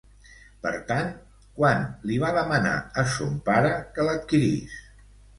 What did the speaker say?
Per tant, quan li va demanar a son pare que l'adquirís?